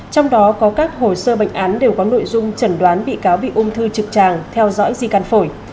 trong đó có các hồ sơ bệnh án đều có nội dung chẩn đoán bị cáo bị ung thư trực tràng theo dõi di căn phổi